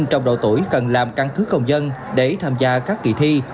các em trong độ tuổi cần làm căn cức công dân để tham gia các kỳ thi